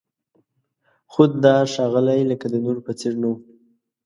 خو دا ښاغلی لکه د نورو په څېر نه و.